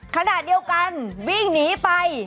ขณะเดียวกันวิ่งหนีไป